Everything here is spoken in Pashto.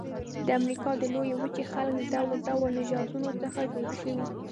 د امریکا د لویې وچې خلک د ډول ډول نژادونو څخه جوړ شوي.